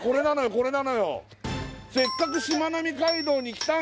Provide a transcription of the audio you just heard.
これなのよ